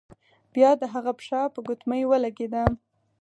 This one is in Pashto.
بیا د هغه پښه په ګوتمۍ ولګیده.